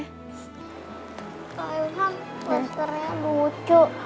kak ilham plasternya lucu